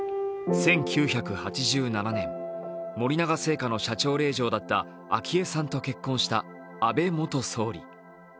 １９８７年、森永製菓の社長令嬢だった昭恵さんと結婚した安倍元総理。